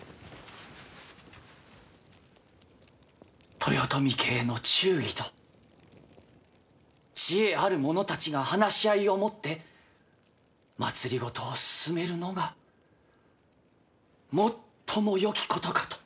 豊臣家への忠義と知恵ある者たちが話し合いをもって政を進めるのが最もよきことかと。